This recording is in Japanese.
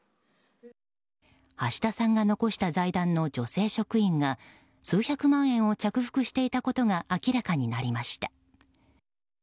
橋田さんが残した財団の女性職員が数百万円を着服していたことが明らかになりました。